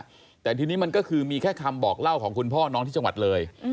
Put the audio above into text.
แต่ทีนี้มันก็คือมีแค่คำบอกเล่าของคุณพ่อน้องที่จังหวัดเลย